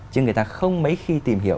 chứ người ta không mấy khi tìm hiểu